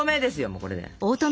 もうこれで。